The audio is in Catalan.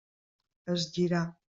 Es girà.